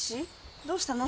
どうしたの？